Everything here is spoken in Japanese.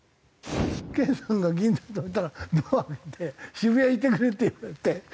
健さんが銀座で止めたらドア開いて「渋谷行ってくれ」って言われて。